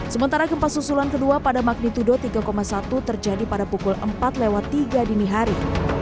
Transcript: sementara gempa susulan kedua pada magnitudo tiga satu terjadi pada pukul empat lewat tiga dini hari